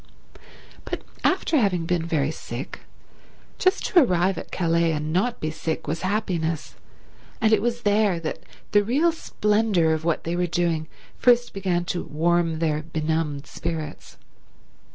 But after having been very sick, just to arrive at Calais and not be sick was happiness, and it was there that the real splendour of what they were doing first began to warm their benumbed spirits.